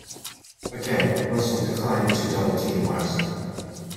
Again, Russell declined to double-team West.